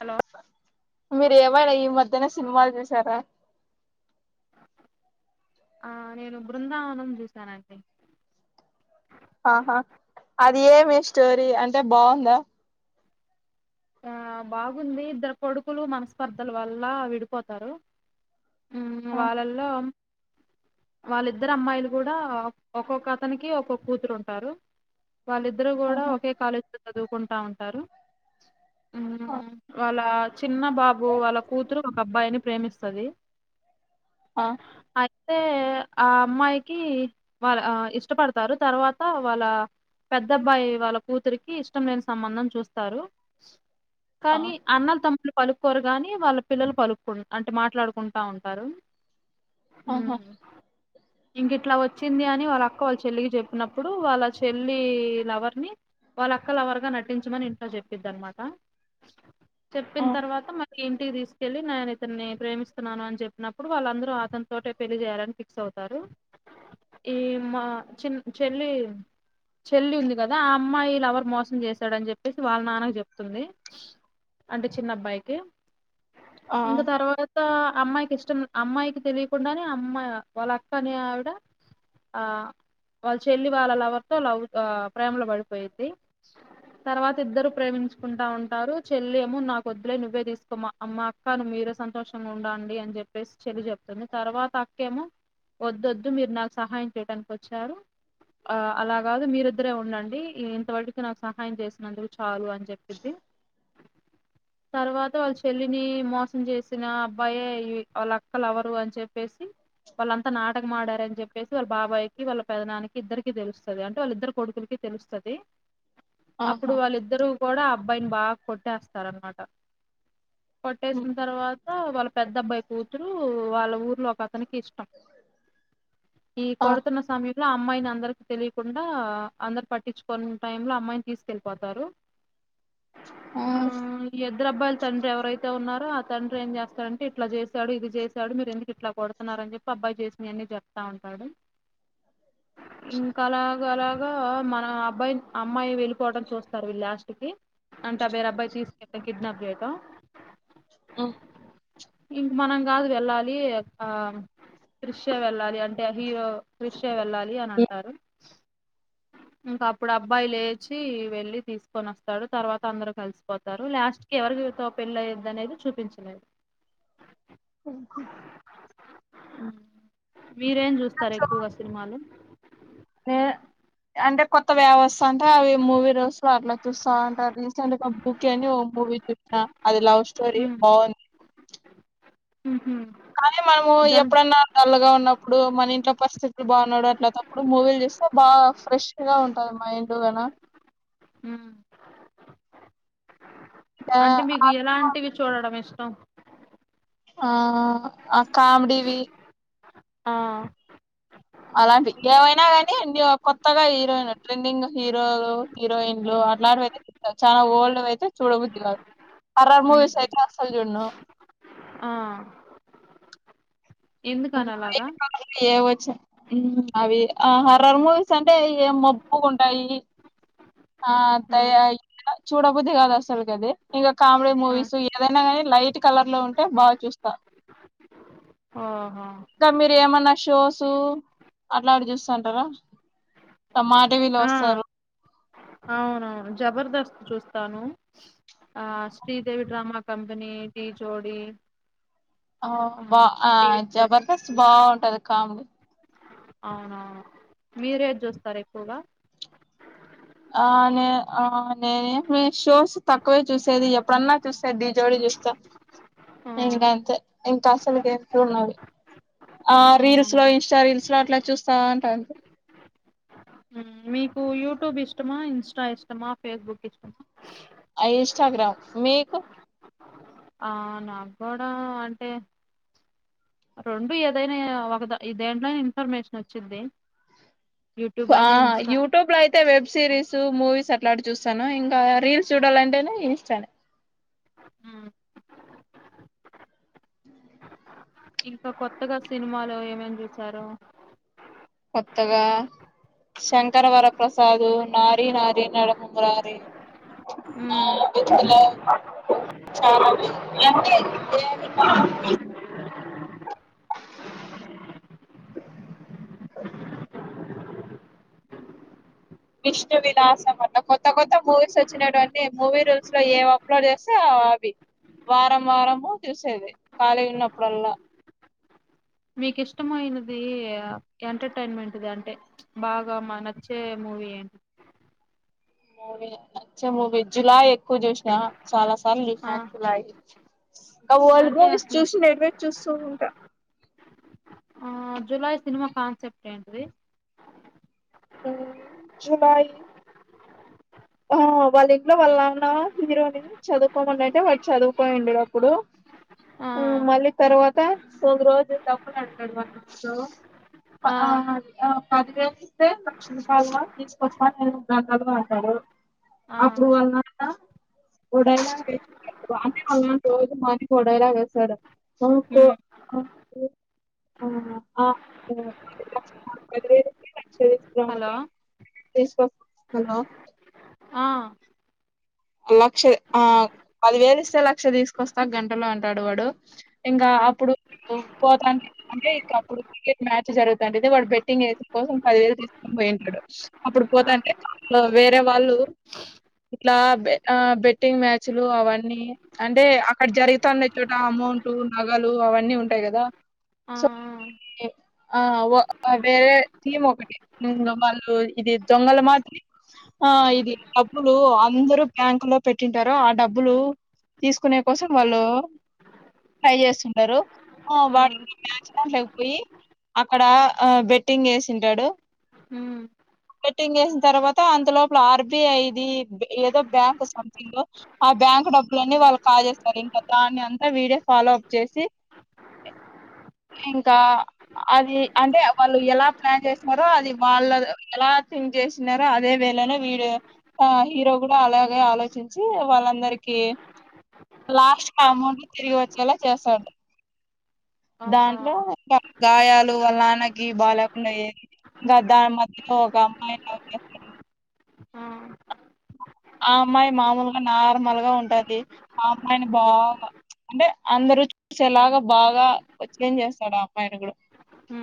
Hello మీరు ఏవడ ఈ మధ్యనే సినిమాలు చూసారా. ఆ నేను బృందావనం చూశానండి. ఆహా అది ఏమి స్టోరీ అంటే బాగుందా. ఆ బాగుంది ఇద్దరు కొడుకులు మనస్పర్ధల వల్ల విడిపోతారు. హమ్ వాళ్ళలో వాళ్ళిద్దరు అమ్మాయిలు కూడా ఒక్కొక్క అతనికి, ఒక్కొక్క కూతురు ఉంటారు వాళ్ళిద్దరు కూడా ఒకే కాలేజీ లో చదువుకుంటా ఉంట సారు వాళ్ళ చిన్న బాబు వాళ్ళ కూతురు ఒక అబ్బాయిని ప్రేమిస్తది ఆ అయితే ఆ అమ్మాయికి వాళ్ళ ఇష్టపడతారు తర్వాత వాళ్ళ పెద్ద అబ్బాయి వాళ్ళ కూతురికి ఇష్టం లేని సంబంధం చూస్తారు కానీ అన్నలు తమ్ముల్ పలుక్కోరు గాని వాళ్ళ పిల్లలు పలుకు అంటే మాట్లాడుకుంటా ఉంటారు మ్మ్ ఇంకిట్లా వచ్చింది అని వాళ్ళ అక్క వాళ్ళ చెల్లికి చెప్పినప్పుడు వాళ్ళ చెల్లి లవర్ని వాళ్ళ అక్క లవర్గా నటించమని ఇంట్లో చెప్ పిద్ది అనమాట చెప్పిన తర్వాత మళ్ళీ ఇంటికి తీస్కెళ్ళి [unintelligible] అతన్ని ప్రేమిస్తున్నాను అని చెప్పినప్పుడు వాళ్ళందరూ అతని తోటే పెళ్లి చేయాలని ఫిక్స్ అవుతారు ఈ మా చి చెల్లి చెల్లి ఉంది కదా ఆ అమ్మాయి లవర్ మోసం చేసాడని చెప్పేసి వాళ్ళ నాన్నకు చెప్తుంది అంటే చిన్న అబ్బాయికి ఇంకా తర్వాత అమ్మాయికి ఇష్టం అమ్మాయికి తెలియకుండానే అమ్మాయి వాళ్ళ అక్కని ఆవిడ ఆ వాళ్ళ చెల్లి వాళ్ళ లవర్ తో లవ్ ప్రేమలో పడిపోయేద్ది తర్వాత ఇద్దరు ప్రేమించుకుంటా ఉంటారు చెల్లి ఏమో నాకు వద్దులే నువ్వే తీసుకో మా మా అక్క నువ్ మీరే సంతోషంగా ఉండండి అని చెప్పేసి చెల్లి చెప్తుంది తర్వాత అక్కేమో వద్దోద్దు మీరు నాకు సహాయం చేయటనికి వచ్చారు ఆ అలాగాదు మీరిద్దరే ఉండండి ఇంతవరకు నాకు సహాయం చేసినందు చాలు అని చెప్పిద్ది తర్వాత వాళ్ళ చెల్లిని మోస సం చేసిన అబ్బాయే వాళ్ళ అక్క లవరు అని చెప్పేసి వాళ్ళంతా నాటకమాడారని చెప్పేసి వాళ్ళ బాబాయకి వాళ్ళ పెదనానికి ఇద్దరికి తెలుస్తది అంటే వాళ్ళిద్దరు కొడుకులకి తెలుస్తది అప్పుడు వాళ్ళిద్ద కూడా అబ్బాయిని బాగా కొట్టేస్తారనమాట కొట్టేసిన తర్వాత వాళ్ళ పెద్ద అబ్బాయి కూతురు వాళ్ళ ఊర్లో ఒకక్ అతనికి ఇష్టం ఈ కొడుతున్న సమయ ఇలా అమ్మాయిని అందరికి తెలికుండా అందరు పట్టించుకోని టైమ్ లో అమ్మాయిని తీసుకెళ్ళిపోతారు మ్మ్ ఎద్దరు అబ్బాయ్ తండ్రి ఎవరైత్ తే ఉన్నారో ఆ తండ్రి ఏం చేస్తారంటే ఇట్లా చేసాడు ఇది చేసాడు మీరు ఎందుకు ఇట్లా కొడుతున్నారని చెప్పి అబ్బాయి చేసినయన్ని చెప్తా ఉంటాడు ఇంకా అలాగా అలా గా మన అబ్బాయి అమ్మాయి వెళ్ళిపోవటం చూస్తారు వీళ్లు లాస్ట్ ఇది అంటా వేరే అబ్బాయి తీసుళ్తే కిడ్నాప్ అయిది క ఆ ఇంక మనం కాదు వెళ్ళాలి ఆ తృశ్యా వెళ్ళాలి అంటే హీరో క్రిషే వెళ్ళాలి అని అంటారు. ఇంకా అప్పుడు అబ్బాయి లేచి వెళ్ళి తీసు కొని వస్తాడు తర్వాత అందరు కలిసిపోతారు, లాస్ట్ కి ఎవరి తో పెళ్ళిఅయిద్ అనేది చూపించలేదు. అహా అ మీరేం చూస్తారు ఎక్కువగా సినిమాలు. అంటే కొత్తవి ఎవత్సాంటే అవి మూవీ రోస్లు అట్లా చూస్తాంట రీసెంట్ గా బుక్ అని ఓ మూవీ చూసినా. అది లవ్ స్టోరి బావుంది. కానీ మనము దాని ఎప్పుడైన్నా డల్లు గా ఉ న్నప్పుడు మన ఇంట్లో పరిస్థితులు బాగు [unintelligible] అట్లా టప్పుడు మూవీలు చూస్తే బాగా ఫ్రెష్ గా ఉంటది మైండ్ అయిన ఇంకా అంటే మీకు ఆ సినిమా ఎలాంటివి చూడడం ఇష్ టం ఆ అ కామెడివి ఆ అలాంటివి ఏవైనా కానీ కొత్తగా హీరోయిన్ ట్రెండింగ్ హీరోలు, హీరోయిన్లు అట్లాంటివి అయితే చూస్తా చాలా ఓల్డ్ వి అయితే చూడబుద్ది కాదు. హర్రర్ మూవీస్ అయితే అస్సలు చూడను. ఎందుకని అలాగా ఎవో చ హ్మ్ అవి ఆ హర్రర్ మూవీస్ అంటే ఏ మబ్బు గుంటాయి, ఆ చూడబుద్ది కాదు అసలుకి అది ఇంకా కామెడీ మూవీస్ ఏదైనా కాని లైట్ కలర్ లో ఉంటే బాగా చూస్తా. ఓహో ఇంకా మీరు ఏమన్నా షోసు అట్లాంటి చూస్తంటారా టా మా టివీలో ఆ వస్తారు. అవునవును జబర్దస్త్ చూస్తాను, ఆ శ్రీదేవి డ్రామా కంపెనీ, డీజోడీ. ఆ బా ఆ జబర్దస్త్ బావుంటది. కామెడి అవునా మీరేది చూస్తారు ఎక్కువగా. ఆ నే ఆ నేను మీ షోస్ తక్కువే చూసేది ఎప్పుడన్నా చూస్తే డీ జోడి చూస్తా. ఆ, ఇంగా అంతే ఇంకా అసలు గ ఎట్లు ఉన్నాలి ఆ ఆహా. రీల్స్ లో, ఇన్స్టారీల్స్లో అట్లా చూస్తా ఉంట అంతే. మ్, మీకు యూట్యూబ్ ఇష్టమా, ఇన్స్టా ఇష్టమా, ఫేస్బుక్ ఇష్టమా. ఇన్స్టాగ్రామ్ మీకు ఆ నాకు కూడా అంటే రొండు ఏదైనా ఒక ఇ దేంట్లోనా ఇన్ఫర్మేషన్ వచ్చిద్ది. యూట్యూబ్ ఆ అయినా ఇన్స్టా యూట్యూబ్ లో అయితే వెబ్ సిరీస్ మూవీస్ అట్లాంటి చూస్తాను, ఇంకా రీల్స్ చూడాలంటేనే ఇన్స్టానే. అ ఇంకా కొత్తగా సినిమాలు ఏమేం చూసారు. కొత్తగా శంకర వరప్రసాదు, నారి నారి నడుమ మురారి. ఉమ్. ఆల ఏ [unintelligible] విష్ణు విలాసం అట కొత్త కొత్త మూవీస్ వచ్చినటువీ మూవీ రూల్స్ లో ఏ అప్లోడ్ చేస్తే అవి వారం వారము చూసేది ఖాళీ ఉన్నప్పుడల్లా మీకు ఇష్టమైనది ఎంటర్టైన్మెంట్ది అంటే బాగా మా నచ్చే మూవీ ఏంటి మూవీ నచ్చే మూవీ జులైయి ఎక్కువ చూసినా చాలా ఆ చల్లియి ఆ ఓల్డ్ అంటే మూవీస్ అసలు చూసి నర్మీట్ చూస్తూ ఉంటా ఆ జులై సినిమా కాన్సెప్ట్ ఏంటిది జులై ఆ వాళ్ళ ఇంట్లో వాళ్ళ నాన్న హీరోని చదువుకోమని అంటే వాడు చదువుపోయి ఉండడు అప్పుడు ఆ మళ్ళీ తర్వాత కొద్ధి రోజు డబ్బులు అంటాడు వన్ ఆ పదివేలు ఇస్తే లక్ష రూపాయలు తీసుకొస్తా అంటాడు ఆ అప్పుడు వాలంత వడయిలా అ వాళ్ళ రోజు మనీ వడయిలా వేస్తాడు ఆ కో ఉమ్ అ [unintelligible] సర స హలో తీసులో ఆ లక్ష ఆ పదివేలు ఇస్తే లక్ష తీసుకొస్తా ఆ గంటలో అంటాడు వాడు ఇంకా ఆ అప్పుడు పోతా అంటే ఇక అప్పుడు క్రికెట్ మ్యాచ్ జరుగుతుంటది వాడు బెట్టింగ్ వస కోసం పదివేలు తీసుకొని పోయింటాడు అప్పుడు ఆ పోతాంటే వేరే వాళ్ళు ఇట్లా ఆ బెట్టింగ్ మ్యాచ్లు అవన్న అంటే అక్కడ జరుగుతా ఉండ చోట అమౌంట్ నగలు అవన్నీ ఉంటాయి కదా ఆ సో‌ ఆ వేరే టీమ్ ఒకటి వాళ్లు ఇది దొంగలు మాత్రమే ఆ ఇది డబ్బులు అందరూ బ్యాంకు లో పెట్టింటారు ఆ డబ్బులు తీసుకునే కోసం వాళ్ళు ట్రై చేస్తుంటారు ఆ వాళ మ్యాచ్లేకపోయి అక్కడ బెట్టింగ్ చేసింటాడు హమ్ బెట్టింగ్ వేసిన తర్వాత అంత లోపల ఆర్బిఐది ఏదో బ్యాంక్ సంథింగ్ ఆ బ్యాంకు డబ్బులన్ని వాళ్ళు కాజేస్తారు ఇంకా దాన్ని అంతా వీడే ఫాలో అప్ చేసి ఇంకా అది అంటే వాళ్ళు ఎలా ప్లాన్ చేసినారో అది వాళ్ళ ఎలా థింక్ చేసినారో అదే వేళనే వీడే హీరో కూడా అలాగే ఆలోచించి వాళ్ళందరికి లాస్ట్ కి అమౌంట్ తిరిగి వచ్చేలా చేస్తాడు ఆహా దాంట్లో కర్ గాయాలు వాళ్ళ నాన్నకి బాగాలేకుండా అయ్యేయి ఇంకా దాని మధ్యలో ఒక అమ్మాయి ఆ ఆ అమ్మాయి మామూలుగా నార్మల్గా ఉంటది ఆ అమ్మాయిని బాగా అంటే అందరుూ చూసి ఎలాగ బాగా వచ్చేం చేస్తాడు ఆ అమ్మాయిని కూడా ఉ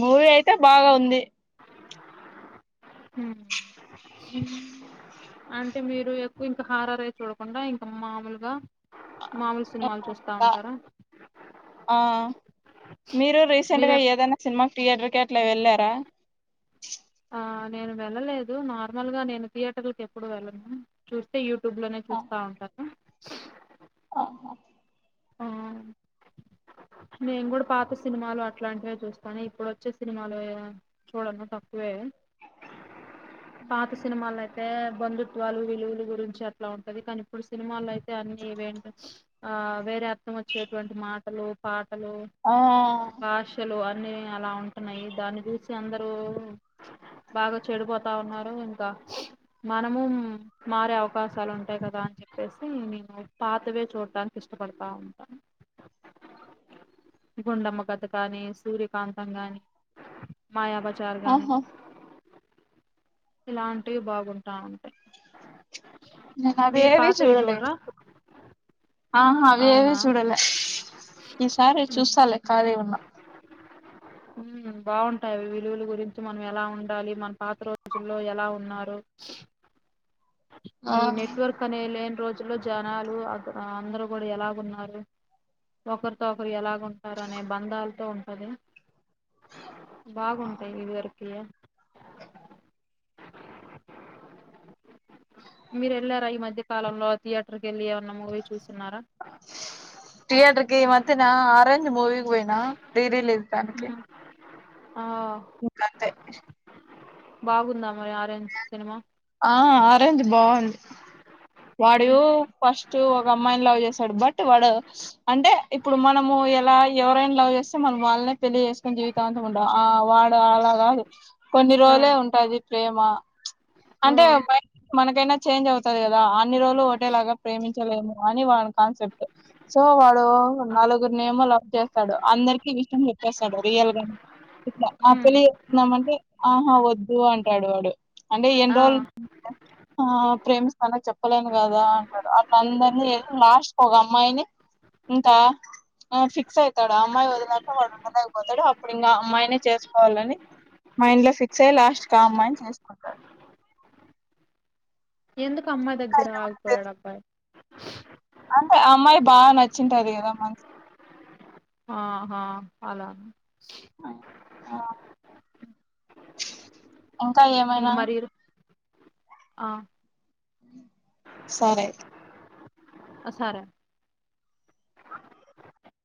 మూవీ ఐతే బాగా ఉంది హ్మ్. [unintelligible] అ అంటే మీరు ఎక్కువ ఇంకా హారారవి చూడకుండా ఇంకా మాముూలుగా మామూలు సినిమాలు చూస్తా ఉంటారా ఆ మీరు రీసెంట్ మీరే గా ఏదైనా సిన్మా థియేటర్కి అట్లా వెళ్ళారా ఆ నేను వెళ్ళలేదు నార్మల్ గా నేను థియేటర్కి ఎప్పుడు వెళ్ళను చూస్తే యు యూట్యూబ్లోనే ఆ చూస్తా ఉంటారు ఆహా ఆ నేను కూడా పాత సినిమాలు అట్లాంటివే చూస్తాను ఇప్పుడు వచ్చే సినిమాలు చూడను తప్పు వే పాత సిర్మాల అయి అయితే బంధుత్వాలు విలువలు గురించి అట్లా ఉంటది కానీ ఇప్పుడు సినిమాల్లో అయితే అన్ని ఈవెంట్ ఆ వేరే వచ్చేటువంటి మాట హలో పా హలో ఆ బాషలో అన్ని అలా ఉంటున్నాయి దాన్ని చూసి అందరూ బాగా చెడిపోతా ఉన్నారు ఇంకా మనము మారే అవకాశాలు ఉంటాయి కదా అని చెప్పేసి నేను పాతవే చూడటనికి ఇష్టపడతా ఉంటాను గుండమ్మ కథ కాని సూర్యకాంతం కాని మాయా బజార్ గానే ఆహా ఇలాంటివి బాగుంట ఉంటయి నేన్ అది ఏవి చూడలేద్ ఆ ఆ అవి ఏవి అవునా చూడాల ఈసారి చూస్తాలే ఖాళీ ఉన్నాప్ బాగుంటాయివి విలువల గురించి మనం ఎలా ఉండాలి మన పాత రోజుల్లో ఎలా ఉన్నారు ఆ ఈ నెట్వర్క్ అనే లేన్ రోజు ట్లో జనాలు అ అందరు కూడా ఎలాగు ఉన్నారు ఒకరితో ఒకరు ఎలాగ ఉంటారు అనే బంధాలతో ఉంటది బాగుంటాయి ఇది వరకుయా మీరు వెళ్ళారా ఈ మధ్య కాలంలో థియేటర్ కి వెళ్ళి ఎమ్ థియేటర్ కి వత్తిన ఆరెంజ్ మూవికి పోయినా రీ రీలీజ్ దానికి ఉమ్. ఇకా అంతే బాగుందాం ఆరెంజ్ సినిమా అరేంజ్ బాగుంది వాడు ఫస్ట్ ఒక అమ్మాయిని లవ్ చేసాడు బట్ వాడు అంటే ఇప్పుడు మనము ఎలా ఎవరై లవ్ చేస్తే మనం వాళ్ళనే పెళ్లి చేేసుకుని జీవితాంతం ఉండ ఆ వాడు అలా కాదు కొన్ని ఆ రోజులే ఉంటది ప్రేమ ఆ అంటే మనకైనా చేంజ్ అవుతది కదా అన్ని రోజులు ఒకటే లాగా ప్రేమించి లేము అని వాళ్ళ కాన్సెప్ట్ సో వాళ్ ఆ నలుగురుని ఏమో లవ్ చేస్తాడు అందరికి విష్టం లే చేస్తాడు రియల్గా ఇలా ఉమ్ పెళ్లి చేసుకుందమంటే ఆహ వద్దు వద్దు అంటాడు వాడు అంటే ఏన్ ఆ రోల్ ఆ ప్రేమిస్తన చెప్ చెప్పలేను కదా అంటాడు అట్ల అందరినీ లాస్ట్ క ఒక అమ్మాయిని ఇంకా ఫిక్స్ అవుతాడు ఆ అమ్మాయి వదిలాక వాడు ఉండలేకపోతాడు అప్పుడు ఇంకా అమ్మాయిని చేసుకోవాలని మైండ్ లో ఫిక్స్ అయి లాస్ట్ క ఆ అమ్మాయిని చేసుకుంటాడు ఎందుకు అమ్మాయి ఇంకా దగ్గర ఇంతమంది ఆగిపోయాడు తెలుసు అబ్బాయి అంటే అమ్మాయి బాగా నచ్చింటది కదా మంచ్ ఆహా అలానా అ [inaudible] ఇంకా ఇంక ఏమైనా మరి ఆ సరే అయితే అసారా అ